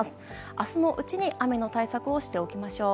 明日のうちに雨の対策をしておきましょう。